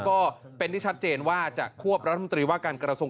ก็เป็นที่ชัดเจนว่าจะควบรัฐมนตรีว่าการกระทรวง